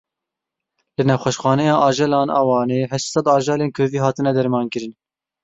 Li nexweşxaneya ajelan a Wanê heyşt sed ajelên kovî hatine dermankirin.